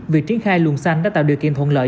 việc triển khai luồng xanh đã tạo điều kiện thuận lợi